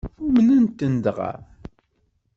Umnen-ten dɣa?